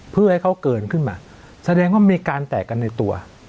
เพื่อให้เขาเกินขึ้นมาแสดงว่ามีการแตกกันในตัว